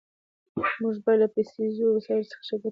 موږ بايد له پيسيزو وسايلو ښه ګټه واخلو.